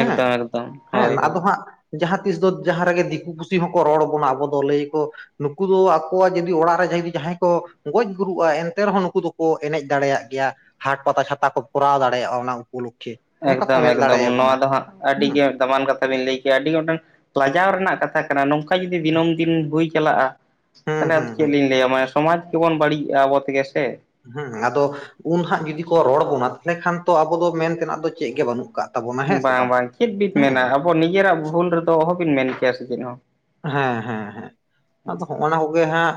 ᱦᱮᱸ ᱮᱠᱫᱚᱢ ᱦᱮᱸ ᱦᱳᱭ ᱟᱫᱚ ᱦᱳᱭ ᱦᱟᱸᱜ ᱡᱟᱦᱟᱸ ᱛᱤᱥ ᱫᱚ ᱡᱟᱦᱟᱸ ᱨᱮᱜᱮ ᱫᱤᱠᱩ ᱯᱩᱥᱤ ᱦᱚᱸᱠᱚ ᱨᱚᱲ ᱵᱚᱱᱟ ᱟᱵᱚ ᱫᱚ ᱞᱟᱹᱭ ᱟᱠᱚ ᱱᱩᱠᱩ ᱫᱚ ᱟᱠᱚᱣᱟᱜ ᱡᱩᱫᱤ ᱚᱲᱟᱜ ᱨᱮ ᱡᱩ ᱡᱟᱦᱟᱸᱭ ᱠᱚ ᱜᱚᱡ ᱜᱩᱨᱩᱜᱼᱟ ᱮᱱᱛᱮ ᱨᱮᱦᱚᱸ ᱱᱩᱠᱩ ᱫᱚ ᱠᱚ ᱮᱱᱮᱡ ᱫᱟᱲᱮᱭᱟᱜ ᱜᱮᱭᱟ ᱦᱟᱴ ᱯᱟᱛᱟ ᱪᱷᱟᱛᱟ ᱠᱚ ᱠᱚᱨᱟᱣ ᱫᱟᱲᱮᱭᱟᱜᱼᱟ ᱚᱱᱟ ᱩᱯᱚᱞᱚᱠᱠᱷᱮ ᱾ ᱮᱠᱫᱚᱢ ᱮᱠᱫᱚᱢ ᱱᱚᱣᱟ ᱫᱚ ᱦᱟᱸᱜ ᱟᱹᱰᱤ ᱜᱮ ᱫᱟᱢᱟᱱ ᱠᱟᱛᱷᱟ ᱵᱤᱱ ᱞᱟᱹᱭ ᱠᱮᱭᱟ ᱟᱹᱰᱤ ᱜᱚᱴᱟᱝ ᱞᱟᱡᱟᱣ ᱨᱮᱱᱟᱜ ᱠᱟᱛᱷᱟ ᱠᱟᱱᱟ ᱱᱚᱝᱠᱟ ᱡᱩᱫᱤ ᱫᱤᱱᱟᱹᱢ ᱫᱤᱱ ᱦᱩᱭ ᱪᱟᱞᱟᱜᱼᱟ ᱦᱩᱸ ᱛᱟᱦᱚᱞᱮ ᱟᱫᱚ ᱦᱩᱸ ᱦᱩᱸ ᱪᱮᱫ ᱞᱤᱧ ᱞᱟᱹᱭᱟ ᱢᱟᱱᱮ ᱥᱚᱢᱟᱡ ᱜᱮᱵᱚᱱ ᱵᱟᱹᱲᱤᱡᱼᱟ ᱟᱵᱚ ᱛᱮᱜᱮ ᱥᱮ? ᱦᱮᱸ ᱟᱫᱚ ᱩᱱᱦ ᱟᱸᱜ ᱡᱩᱫᱤ ᱠᱚ ᱨᱚᱲ ᱵᱚᱱᱟ ᱛᱟᱦᱚᱞᱮ ᱠᱷᱟᱱ ᱛᱚ ᱟᱵᱚ ᱫᱚ ᱢᱮᱱ ᱛᱮᱱᱟᱜ ᱫᱚ ᱪᱮᱫ ᱜᱮ ᱵᱟᱹᱱᱩᱜ ᱠᱟᱜ ᱛᱟᱵᱚᱱᱟ ᱦᱮᱸ ᱥᱮ ᱵᱟᱝ ᱵᱟᱝ ᱪᱮᱫ ᱵᱤᱱ ᱢᱮᱱᱟ ᱦᱮᱸ ᱟᱵᱚ ᱱᱤᱡᱮᱨᱟᱜ ᱵᱷᱩᱞ ᱨᱮ ᱫᱚ ᱚᱦᱚᱵᱤᱱ ᱢᱮᱱ ᱠᱮᱭᱟ ᱥᱮ ᱪᱮᱫ ᱦᱚᱸ ᱾ ᱦᱮᱸ ᱦᱮᱸ ᱦᱮᱸ, ᱟᱫᱚ ᱦᱚᱜᱼᱚᱱᱟ ᱠᱚ ᱜᱮ ᱦᱟᱸᱜ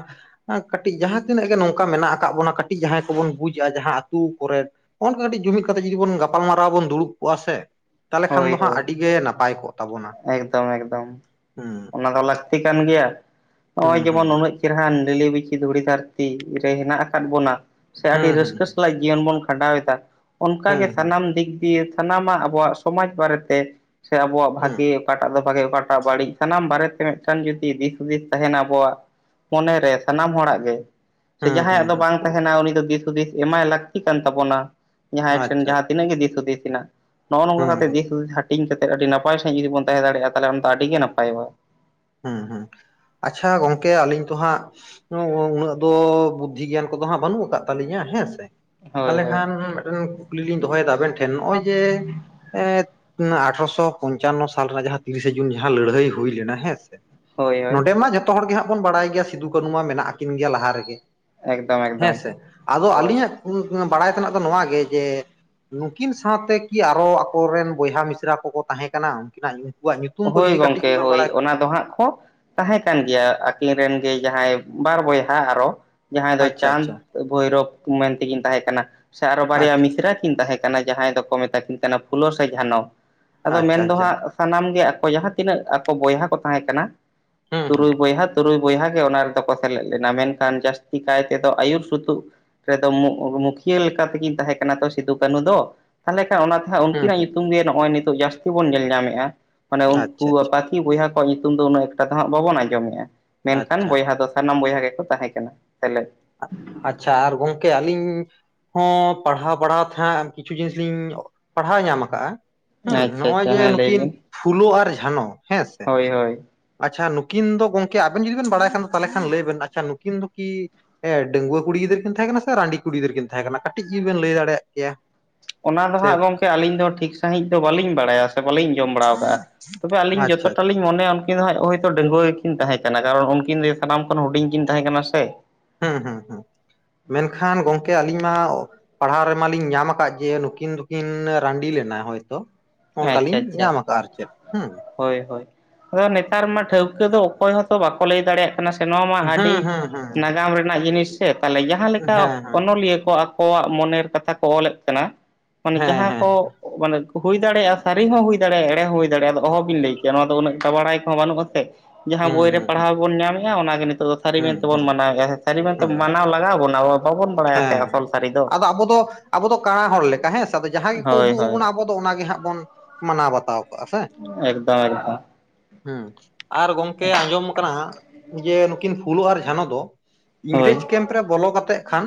ᱠᱟᱹᱴᱤᱡ ᱡᱟᱦᱟᱸ ᱛᱤᱱᱟᱹᱜ ᱜᱮ ᱱᱚᱝᱠᱟ ᱢᱮᱱᱟᱜ ᱟᱠᱟᱜ ᱵᱚᱱᱟ ᱠᱟᱹᱴᱤᱡ ᱡᱟᱦᱟᱸᱭ ᱠᱚᱵᱚᱱ ᱵᱩᱡ ᱮᱜᱼᱟ ᱡᱟᱦᱟᱸ ᱟᱹᱛᱩ ᱠᱚᱨᱮᱫ- ᱦᱚᱜᱼᱚᱝ ᱠᱟ ᱠᱟᱹᱴᱤᱡ ᱡᱩᱢᱤᱫ ᱠᱟᱛᱮ ᱡᱩᱫᱤ ᱵᱚᱱ ᱜᱟᱯᱟᱞᱢᱟᱨᱣᱟ ᱵᱚᱱ ᱫᱩᱲᱩᱵ ᱠᱚᱜ-ᱟ ᱥᱮ ᱛᱟᱦᱚᱞᱮ ᱠᱷᱟᱱ ᱫᱚ ᱦᱳᱭ ᱦᱟᱸᱜ ᱦᱳᱭ ᱟᱹᱰᱤ ᱜᱮ ᱱᱟᱯᱟᱭ ᱠᱚᱜ ᱛᱟᱵᱚᱱᱟ᱾ ᱮᱠᱫᱚᱢ ᱮᱠᱫᱚᱢ, ᱦᱩᱸ ᱚᱱᱟ ᱫᱚ ᱞᱟᱹᱠᱛᱤ ᱠᱟᱱ ᱜᱮᱭᱟ ᱾ ᱦᱩᱸ ᱱᱚᱜ-ᱚᱭ ᱦᱩᱸ ᱡᱮᱢᱚᱱ ᱩᱱᱟᱹᱜ ᱪᱮᱦᱨᱟ ᱞᱤᱞᱤ ᱵᱤᱪᱷᱤ ᱫᱷᱩᱲᱤ ᱫᱷᱟᱹᱨᱛᱤ ᱨᱮ ᱦᱮᱱᱟᱜ ᱟᱠᱟᱫ ᱵᱚᱱᱟ, ᱥᱮ ᱟᱹᱰᱤ ᱦᱩᱸ ᱦᱩᱸ ᱨᱟᱹᱥᱠᱟᱹ ᱥᱟᱞᱟᱜ ᱡᱤᱭᱚᱱ ᱵᱚᱱ ᱠᱷᱟᱸᱰᱟᱣ ᱮᱫᱟ ᱾ ᱚᱱᱠᱟᱜ ᱦᱩᱸ ᱜᱮ ᱦᱩᱸ ᱥᱟᱱᱟᱢ ᱫᱤᱠ ᱫᱤᱭᱮ ᱥᱟᱱᱟᱢᱟᱜ ᱟᱵᱚᱣᱟᱜ ᱥᱚᱢᱟᱡᱽ ᱵᱟᱨᱮᱛᱮ ᱥᱮ ᱟᱵᱚᱣᱟᱜ ᱦᱩᱸ ᱵᱷᱟᱜ ᱚᱠᱟᱴᱟᱜ ᱫᱚ ᱵᱷᱟᱜᱮ ᱚᱠᱟᱴᱟᱜ ᱵᱟᱹᱲᱤᱡ ᱥᱟᱱᱟᱢ ᱵᱟᱨᱮᱛᱮ ᱢᱤᱫᱴᱟᱱ ᱡᱩᱫᱤ ᱫᱤᱥ ᱦᱩᱫᱤᱥ ᱛᱟᱦᱮᱱᱟ ᱟᱵᱚᱣᱟᱜ- ᱢᱚᱱᱮ ᱨᱮ ᱥᱟᱱᱟᱢ ᱦᱚᱲᱟᱜ ᱜᱮ ᱾ ᱥᱮ ᱦᱩᱸ ᱦᱩᱸ ᱡᱟᱦᱟᱸᱭᱟᱜ ᱫᱚ ᱵᱟᱝ ᱛᱟᱦᱮᱱᱟ ᱩᱱᱤ ᱫᱚ ᱫᱤᱥ ᱦᱩᱫᱤᱥ ᱮᱢᱟᱭ ᱞᱟᱹᱠᱛᱤ ᱠᱟᱱ ᱛᱟᱵᱚᱱᱟ, ᱦᱩᱸ ᱡᱟᱦᱟᱸᱭ ᱴᱷᱮᱱ ᱟᱪᱪᱷᱟ ᱡᱟᱦᱟᱸ ᱛᱤᱱᱟᱹᱜ ᱜᱮ ᱫᱤᱥ ᱦᱩᱫᱤᱥ ᱦᱮᱱᱟᱜ ᱱᱚᱜ-ᱚᱭ ᱱᱚᱝᱠᱟ ᱦᱩᱸ ᱠᱟᱛᱮ ᱦᱩᱸ ᱫᱤᱥ ᱦᱩᱫᱤᱥ ᱦᱟᱹᱴᱤᱧ ᱠᱟᱛᱮ ᱟᱹᱰᱤ ᱱᱟᱯᱟᱭ᱾ ᱡᱩᱫᱤ ᱵᱚᱱ ᱛᱟᱦᱮᱸ ᱫᱟᱲᱮᱭᱟᱜ-ᱟ, ᱛᱟᱦᱚᱞᱮ ᱚᱱᱟ ᱟᱹᱰᱤ ᱜᱮ ᱱᱟᱯᱟᱭᱚᱜ-ᱟ ᱾ ᱦᱩᱸ ᱦᱩᱸ, ᱟᱪᱷᱟ ᱜᱚᱝᱠᱮ, ᱟᱹᱞᱤᱧ ᱛᱚ ᱦᱟᱸᱜ ᱩᱱᱟᱹᱜ ᱫᱚ ᱵᱩᱫᱽᱫᱷᱤ ᱜᱮᱭᱟᱱ ᱠᱚᱫᱚ ᱦᱟᱸᱜ ᱵᱟᱹᱱᱩᱜ ᱟᱠᱟᱫ ᱛᱟᱹᱟᱞᱤᱧᱟ ᱦᱮᱸ ᱥᱮ᱾ ᱦᱳᱭ ᱛᱟᱦᱚᱞᱮ ᱦᱳᱭ ᱠᱷᱟᱱ ᱢᱤᱫᱴᱮᱱ ᱠᱩᱠᱞᱤ ᱞᱤᱧ ᱫᱚᱦᱚᱭᱮᱫᱟ ᱟᱵᱮᱱ ᱴᱷᱮᱱ, ᱱᱚᱜ-ᱚᱭ ᱡᱮ ᱮ ᱟᱴᱷᱨᱚᱥᱚ ᱯᱚᱧᱪᱟᱱᱱᱚ ᱥᱟᱞ ᱨᱮᱱᱟᱜ ᱡᱟᱦᱟᱸ ᱛᱤᱨᱤᱥᱮ ᱡᱩᱱ ᱡᱟᱦᱟᱸ ᱞᱟᱹᱲᱦᱟᱹᱭ ᱦᱩᱭ ᱞᱮᱱᱟ ᱦᱮᱸ ᱥᱮ ᱾ ᱦᱳᱭ ᱦᱳᱭ ᱱᱚᱸᱰᱮ ᱢᱟ ᱡᱚᱛᱚ ᱦᱚᱲ ᱜᱮ ᱦᱟᱸᱜ ᱵᱚᱱ ᱵᱟᱲᱟᱭ ᱜᱮᱭᱟ ᱥᱤᱫᱩ ᱠᱟᱹᱱᱩ ᱢᱟ ᱢᱮᱱᱟᱜ ᱟᱹᱠᱤᱱ ᱜᱮᱭᱟ ᱞᱟᱦᱟ ᱨᱮ ᱜᱮ ᱮᱠᱫᱚᱢ ᱾ ᱮᱠᱫᱚᱢ ᱦᱮᱸ ᱥᱮ, ᱟᱫᱚ ᱦᱳᱭ ᱟᱹᱞᱤᱧᱟᱜ ᱵᱟᱲᱟᱭ ᱛᱮᱱᱟᱜ ᱫᱚ ᱱᱚᱣᱟ ᱜᱮ ᱡᱮ? ᱱᱩᱠᱤᱱ ᱥᱟᱶᱛᱮ ᱠᱤ ᱟᱨᱚ ᱟᱠᱚᱨᱮᱱ ᱵᱚᱭᱦᱟ ᱢᱤᱥᱨᱟ ᱠᱚ ᱠᱚ ᱛᱟᱦᱮᱸ ᱠᱟᱱᱟ ᱩᱱᱠᱤᱱᱟᱜ ᱧᱩᱛᱩᱢ? ᱩᱱᱠᱩᱣᱟᱜ ᱠᱚ ᱦᱳᱭ ᱡᱩᱫᱤ ᱠᱟᱹᱴᱤᱡ ᱡᱩᱫᱤ ᱜᱚᱝᱠᱮ, ᱵᱮᱱ ᱦᱳᱭ ᱵᱟᱲᱟᱭ ᱾ ᱠᱷᱟᱱ ᱚᱱᱟ ᱫᱚ ᱦᱟᱸᱜ ᱠᱚ ᱛᱟᱦᱮᱸ ᱠᱟᱱ ᱜᱮᱭᱟ ᱟᱹᱠᱤᱱ ᱨᱮᱱ ᱜᱮ ᱡᱟᱦᱟᱸᱭ ᱵᱟᱨ ᱵᱚᱭᱦᱟ ᱟᱨᱚ ᱡᱟᱦᱟᱸᱭ ᱫᱚ ᱟᱪᱪᱷᱟ ᱟᱪᱪᱷᱟ ᱪᱟᱸᱫ ᱵᱷᱳᱭᱨᱳᱚᱵ ᱢᱮᱱᱛᱮ ᱠᱤᱱ ᱛᱟᱦᱮᱸ ᱠᱟᱱᱟ ᱥᱮ ᱟᱨᱚ ᱵᱟᱨᱭᱟ ᱟᱪᱪᱷᱟ ᱢᱤᱥᱨᱟ ᱠᱤᱱ ᱛᱟᱦᱮᱸ ᱠᱟᱱᱟ ᱡᱟᱦᱟᱸᱭ ᱫᱚ ᱠᱚ ᱢᱮᱛᱟ ᱠᱤᱱ ᱠᱟᱱᱟ ᱯᱷᱩᱞᱳ ᱥᱮ ᱡᱷᱟᱱᱚ ᱟᱫᱚ ᱟᱪᱪᱷᱟ ᱢᱮᱱ ᱫᱚ ᱟᱪᱪᱷᱟ ᱦᱟᱸᱜ ᱥᱟᱱᱟᱢ ᱜᱮ ᱡᱟᱦᱟᱸ ᱛᱤᱱᱟᱹᱜ ᱟᱠᱚ ᱵᱚᱭᱦᱟ ᱠᱚ ᱛᱟᱦᱮᱸ ᱠᱟᱱᱟ ᱦᱩᱸ ᱦᱩᱸ ᱛᱩᱨᱩᱭ ᱵᱚᱭᱦᱟ ᱾ ᱛᱩᱨᱩᱭ ᱵᱚᱭᱦᱟ ᱜᱮ ᱚᱱᱟ ᱨᱮᱫᱚ ᱠᱚ ᱥᱮᱞᱮᱫ ᱞᱮᱱᱟ ᱢᱮᱱ ᱠᱷᱟᱱ ᱡᱟᱹᱥᱛᱤ ᱠᱟᱭ ᱛᱮᱫᱚ ᱟᱹᱭᱩᱨ ᱥᱩᱛᱩᱜ ᱨᱮᱫᱚ ᱢᱩᱠᱷᱤᱭᱟᱹ ᱞᱮᱠᱟ ᱛᱮᱜᱤᱧ ᱛᱟᱦᱮᱸ ᱠᱟᱱᱟ ᱛᱚ ᱥᱤᱫᱩ- ᱠᱟᱹᱱᱩ ᱫᱚ, ᱛᱟᱦᱚᱞᱮ ᱠᱷᱟᱱ ᱚᱱᱟ ᱦᱩᱸ ᱩᱱᱠᱤᱱᱟᱜ ᱦᱩᱸ ᱧᱩᱛᱩᱢ ᱜᱮ ᱱᱚᱜ-ᱚᱭ ᱱᱤᱛᱚᱜ ᱡᱟᱹᱥᱛᱤ ᱵᱚᱱ ᱧᱮᱞ ᱧᱟᱢᱮᱫ-ᱟ ᱢᱟᱱᱮ ᱩᱱᱠᱩ ᱟᱪᱪᱷᱟ ᱟᱪᱪᱷᱟ ᱟᱯᱟᱛᱚ ᱵᱚᱭᱦᱟ ᱠᱚᱣᱟᱜ ᱧᱩᱛᱩᱢ ᱫᱚ ᱩᱱᱟᱹᱜ ᱮᱠᱴᱟ ᱫᱚ ᱦᱟᱸᱜ ᱵᱟᱵᱚᱱ ᱟᱸᱡᱚᱢᱮᱫ-ᱟ, ᱢᱮᱱᱠᱷᱟᱱ ᱟᱪᱪᱷᱟ ᱵᱚᱭᱦᱟ ᱫᱚ ᱥᱟᱱᱟᱢ ᱵᱚᱭᱦᱟ ᱜᱮᱠᱚ ᱛᱟᱦᱮᱸ ᱠᱟᱱᱟ ᱦᱮᱞᱳ᱾ ᱟᱪᱷᱟ ᱟᱨ ᱜᱚᱝᱠᱮ ᱟᱹᱞᱤᱧ ᱦᱚᱸ ᱯᱟᱲᱦᱟᱣ ᱵᱟᱲᱦᱟᱣ ᱛᱮ ᱦᱟᱸᱜ ᱠᱤᱪᱷᱩ ᱡᱤᱱᱤᱥ ᱞᱤᱧ ᱯᱟᱲᱦᱟᱣ ᱧᱟᱢ ᱟᱠᱟᱜ-ᱟ ᱾ ᱦᱩᱸ, ᱟᱪᱪᱷᱟ ᱱᱚᱜ-ᱚᱭ ᱟᱪᱪᱷᱟ ᱡᱮ ᱦᱮᱸ ᱞᱟᱹᱭ ᱱᱩᱠᱤᱱ ᱯᱷᱩᱞᱳ ᱟᱨ ᱡᱷᱟᱱᱚ ᱾ ᱦᱮᱸᱥᱮ? ᱦᱮᱸᱻᱻ ᱟᱪᱷᱟ, ᱱᱩᱠᱤᱱ ᱫᱚ ᱜᱚᱝᱠᱮ ᱟᱵᱮᱱ ᱡᱩᱫᱤ ᱵᱮᱱ ᱵᱟᱲᱟᱭ ᱠᱷᱟᱱ ᱫᱚ ᱛᱟᱦᱚᱞᱮ ᱠᱷᱟᱱ ᱞᱟᱹᱭ ᱵᱮᱱ ᱾ ᱟᱪᱷᱟ, ᱱᱩᱠᱤᱱ ᱫᱚ ᱠᱤ? ᱮ ᱰᱟᱺᱜᱩᱣᱟᱹ ᱠᱩᱲᱤ ᱜᱤᱫᱟᱹᱨ ᱠᱤᱱ ᱛᱟᱦᱮᱸ ᱠᱟᱱᱟ, ᱥᱮ ᱨᱟᱺᱰᱤ ᱠᱩᱲᱤ ᱜᱤᱫᱟᱹᱨ ᱠᱤᱱ ᱛᱟᱦᱮᱸ ᱠᱟᱱᱟ? ᱠᱟᱹᱴᱤᱡ ᱜᱮᱵᱮᱱ ᱞᱟᱹᱭ ᱫᱟᱲᱮ ᱭᱟᱜ ᱠᱮᱭᱟ? ᱚᱱᱟ ᱫᱚ ᱥᱮ ᱦᱟᱸᱜ ᱜᱚᱝᱠᱮ, ᱟᱹᱞᱤᱧ ᱫᱚ ᱴᱷᱤᱠ ᱥᱟᱺᱦᱤᱡ ᱫᱚ ᱵᱟᱹᱞᱤᱧ ᱵᱟᱲᱟᱭᱟ ᱥᱮ ᱵᱟᱹᱞᱤᱧ ᱟᱸᱡᱚᱢ ᱵᱟᱲᱟᱣ ᱠᱟᱜ-ᱟ᱾ ᱛᱚᱵᱮ ᱟᱹᱞᱤᱧ ᱟᱪᱪᱷᱟ ᱡᱚᱛᱚᱴᱟ ᱟᱪᱪᱷᱟ ᱞᱤᱧ ᱢᱚᱱᱮᱭᱟ ᱩᱱᱠᱤᱱ ᱫᱚ ᱦᱟᱸᱜ ᱦᱳᱭᱛᱳ ᱰᱟᱺᱜᱩᱣᱟᱹ ᱜᱮᱠᱤᱱ ᱛᱟᱦᱮᱸ ᱠᱟᱱᱟ ᱠᱟᱨᱚᱱ ᱩᱱᱠᱤᱱ ᱫᱚ ᱥᱟᱱᱟᱢ ᱠᱷᱚᱱ ᱦᱩᱰᱤᱧ ᱠᱤᱱ ᱛᱟᱦᱮᱸ ᱠᱟᱱᱟ ᱥᱮ᱾ ᱦᱩᱸ ᱦᱩᱸ ᱦᱩᱸ [inaudible] ᱢᱮᱱᱠᱷᱟᱱ ᱜᱚᱝᱠᱮ ᱟᱹᱞᱤᱧ ᱢᱟ ᱯᱟᱲᱦᱟᱣ ᱨᱮᱢᱟ ᱞᱤᱧ ᱧᱟᱢ ᱟᱠᱟᱫ ᱡᱮ ᱱᱩᱠᱤᱱ ᱫᱚ ᱠᱤᱱ ᱨᱟᱺᱰᱤ ᱞᱮᱱᱟᱭ ᱦᱳᱭᱛᱚ ᱾ ᱚᱱᱠᱟ ᱟᱪᱪᱷᱟ ᱞᱤᱧ ᱟᱪᱪᱷᱟ ᱧᱟᱢ ᱟᱠᱟᱜ-ᱟ ᱟᱨ ᱪᱮᱫ ᱾ ᱦᱩᱸ ᱾ ᱦᱳᱭ ᱦᱳᱭ, ᱟᱫᱚ ᱱᱮᱛᱟᱨ ᱢᱟ ᱴᱷᱟᱹᱣᱠᱟᱹ ᱫᱚ ᱚᱠᱚᱭ ᱦᱚᱸᱛᱚ ᱵᱟᱠᱚ ᱞᱟᱹᱭ ᱫᱟᱲᱮᱭᱟᱜ ᱠᱟᱱᱟ ᱥᱮ ᱱᱚᱣᱟ ᱢᱟ ᱦᱮᱸ ᱟᱹᱰᱤ ᱦᱮᱸ ᱦᱮᱸ ᱱᱟᱜᱟᱢ ᱨᱮᱱᱟᱜ ᱡᱤᱱᱤᱥ ᱥᱮ, ᱛᱟᱦᱚᱞᱮ ᱡᱟᱦᱟᱸ ᱞᱮᱠᱟ ᱦᱮᱸ ᱚᱱᱚᱞᱤᱭᱟᱹ ᱠᱚ ᱟᱠᱚᱣᱟᱜ ᱢᱚᱱᱮᱨ ᱠᱟᱛᱷᱟ ᱠᱚ ᱚᱞᱮᱫ ᱠᱟᱱᱟ, ᱢᱟᱱᱮ ᱦᱮᱸ ᱡᱟᱦᱟᱸ ᱠᱚ ᱦᱮᱸ ᱢᱟᱱᱮ ᱦᱩᱭ ᱫᱟᱲᱭᱟᱜᱼᱟ, ᱥᱟᱹᱨᱤ ᱦᱚᱸ ᱦᱩᱭ ᱫᱟᱲᱮᱭᱟᱜᱼᱟ ᱮᱲᱮ ᱦᱚᱸ ᱦᱩᱭ ᱫᱟᱲᱮᱜᱼᱟ, ᱟᱫᱚ ᱚᱦᱚᱵᱤᱱ ᱞᱟᱹᱭ ᱠᱮᱭᱟ, ᱱᱚᱣᱟ ᱫᱚ ᱩᱱᱟᱹᱜᱴᱟ ᱵᱟᱲᱟᱭ ᱦᱚᱸ ᱵᱟᱹᱱᱩᱜᱼᱟ ᱥᱮ᱾ ᱡᱟᱦᱟᱸ ᱦᱮᱸ ᱵᱳᱭ ᱦᱮᱸ ᱨᱮ ᱯᱟᱲᱦᱟᱣ ᱵᱚᱱ ᱧᱟᱢᱮᱫᱼᱟ ᱚᱱᱟ ᱜᱮ ᱱᱤᱛᱚᱜ ᱫᱚ ᱥᱟᱹᱨᱤ ᱦᱮᱸ ᱢᱮᱱᱛᱮ ᱵᱚᱱ ᱦᱮᱸ ᱢᱟᱱᱟᱣᱮᱫ-ᱟ ᱦᱮᱸᱥᱮ᱾ ᱥᱟᱹᱨᱤ ᱢᱮᱱᱛᱮ ᱦᱮᱸ ᱢᱟᱱᱟᱣ ᱞᱟᱜᱟᱣ ᱵᱚᱱᱟ ᱟᱵᱚ᱾ ᱦᱮᱸ, ᱟᱫᱚ ᱟᱵᱚ ᱫᱚ ᱟᱵᱚ ᱫᱚ ᱠᱟᱬᱟ ᱦᱚᱲ ᱞᱮᱠᱟ, ᱦᱮᱸ ᱥᱮ? ᱡᱟᱦᱟᱸ ᱜᱮᱠᱚ ᱦᱳᱭ ᱩᱫᱩᱜ ᱦᱳᱭ ᱟᱵᱚᱱᱟ ᱟᱵᱚ ᱫᱚ ᱚᱱᱟ ᱜᱮ ᱦᱟᱸᱜ ᱵᱚᱱ ᱢᱟᱱᱟᱣ ᱵᱟᱛᱟᱣ ᱠᱟᱜᱼᱟ ᱥᱮ᱾ ᱮᱠᱫᱚᱢ ᱮᱠᱫᱚᱢ᱾ ᱦᱩᱸ, ᱟᱨ ᱜᱚᱝᱠᱮ ᱟᱸᱡᱚᱢ ᱠᱟᱱᱟ ᱦᱟᱸᱜ ᱡᱮ ᱱᱩᱠᱤᱱ ᱯᱷᱩᱞᱚ ᱟᱨ ᱡᱷᱟᱱᱚ ᱫᱚ ᱦᱳᱭ ᱤᱝᱨᱮᱡᱽ ᱠᱮᱢᱯ ᱨᱮ ᱵᱚᱞᱚ ᱠᱟᱛᱮᱜ ᱠᱷᱟᱱ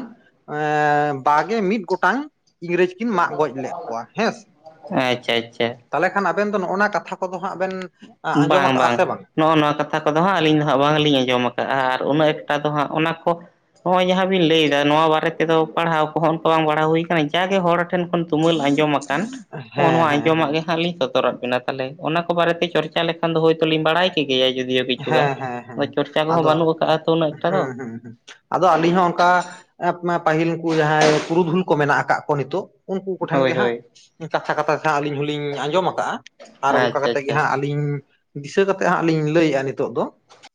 ᱮᱸ ᱵᱟᱜᱮ ᱢᱤᱫ ᱜᱚᱴᱟᱝ ᱤᱝᱨᱮᱡ ᱠᱤᱱ ᱢᱟᱜ ᱜᱚᱡ ᱞᱮᱫ ᱠᱚᱣᱟ ᱦᱮᱸ ᱥᱮ᱾ ᱟᱪᱪᱷᱟ ᱟᱪᱪᱷᱟ ᱛᱟᱦᱚᱞᱮ ᱠᱷᱟᱱ ᱟᱵᱮᱱ ᱫᱚ ᱱᱚᱜᱼᱚ ᱱᱟ ᱠᱟᱛᱷᱟ ᱠᱚᱫᱚ ᱦᱟᱸᱜ ᱵᱮᱱ ᱟᱸᱡᱚᱢ ᱵᱟᱝ ᱟᱠᱟᱜᱼᱟ ᱵᱟᱝ᱾ ᱥᱮ ᱱᱚᱜᱼᱚ ᱱᱚᱣᱟ ᱠᱟᱛᱷᱟ ᱠᱚᱫᱚ ᱦᱟᱸᱜ ᱟᱹᱞᱤᱧ ᱫᱚ ᱦᱟᱸᱜ ᱵᱟᱝᱞᱤᱧ ᱟᱸᱡᱚᱢ ᱟᱠᱟᱜᱼᱟ ᱟᱨ ᱩᱱᱟᱹᱜ ᱮᱠᱴᱟ ᱫᱚ ᱦᱟᱸᱜ ᱚᱱᱟ ᱠᱚ ᱦᱚᱸᱜᱼᱚᱭ ᱡᱟᱦᱟᱸ ᱵᱤᱱ ᱞᱟᱹᱭᱮᱫᱟ ᱱᱚᱣᱟ ᱵᱟᱨᱮ ᱛᱮᱫᱚ ᱯᱟᱲᱦᱟᱣ ᱠᱚᱦᱚᱸ ᱚᱱᱠᱟ ᱵᱟᱝ ᱯᱟᱲᱦᱟᱣ ᱦᱩᱭ ᱠᱟᱱᱟ ᱡᱟ ᱜᱮ ᱦᱚᱲ ᱴᱷᱮᱱ ᱠᱷᱚᱱ ᱛᱩᱢᱟᱹᱞ ᱟᱸᱡᱚᱢᱟ ᱟᱠᱟᱱ ᱦᱚᱸᱜᱼᱚ ᱦᱮᱸ ᱱᱚᱣᱟ ᱦᱮᱸ ᱟᱸᱡᱚᱢᱟᱜ ᱦᱮᱸ ᱜᱮ ᱦᱟᱸᱜ ᱞᱤᱧ ᱥᱚ ᱫᱚᱨᱟᱜ ᱵᱤᱱᱟ ᱛᱟᱞᱦᱮ, ᱚᱱᱟ ᱠᱚ ᱵᱟᱨᱮᱛᱮ ᱪᱚᱨᱪᱟ ᱞᱮᱠᱷᱟᱱ ᱫᱚ ᱦᱳᱭᱛᱚ ᱞᱤᱧ ᱵᱟᱲᱟᱭ ᱠᱜᱮᱭᱟ ᱡᱩᱫᱤᱭᱳ᱾ ᱠᱤᱪᱷᱩ ᱜᱟᱱ ᱦᱮᱸ ᱦᱮᱸ ᱦᱮᱸ, ᱟᱫᱚ ᱪᱚᱨᱪᱟ ᱠᱚᱦᱚᱸ ᱟᱫᱚ, ᱵᱟᱹᱱᱩᱜ ᱟᱠᱟᱜᱼᱟ ᱛᱚ ᱩᱱᱟᱹᱜ ᱮᱠᱴᱟ ᱦᱩᱸ ᱫᱚ ᱦᱩᱸ ᱦᱩᱸ᱾ ᱟᱫᱚ ᱟᱹᱞᱤᱧ ᱦᱚᱸ ᱚᱱᱠᱟ ᱯᱟᱹᱦᱤᱞ ᱩᱱᱠᱩ ᱡᱟᱦᱟᱸᱭ ᱯᱩᱨᱩᱫᱷᱩᱞ ᱠᱚ ᱢᱮᱱᱟᱜ ᱟᱠᱟᱫ ᱠᱚ ᱱᱤᱛᱚᱜ ᱩᱱᱠᱩ ᱠᱚᱴᱷᱮᱱ ᱦᱳᱭ ᱜᱮ ᱦᱟᱸᱜ ᱦᱳᱭ ᱠᱟᱛᱷᱟ ᱠᱟᱛᱷᱟ ᱡᱟᱦᱟᱸ ᱟᱹᱞᱤᱧ ᱦᱚᱞᱤᱧ ᱟᱸᱡᱚᱢ ᱟᱠᱟᱜᱼᱟ ᱟᱨ ᱚᱱᱠᱟ ᱟᱪᱪᱷᱟ ᱠᱟᱛᱮᱜ ᱜᱮ ᱟᱪᱪᱷᱟ ᱦᱟᱸᱜ ᱟᱹᱞᱤᱧ ᱫᱤᱥᱟᱹ ᱠᱟᱛᱮᱫ ᱦᱟᱸᱜ ᱞᱤᱧ ᱞᱟᱹᱭᱮᱫᱼᱟ ᱱᱤᱛᱚᱜ ᱫᱚ᱾